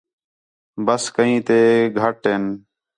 بس کئین تے گھٹ ہِن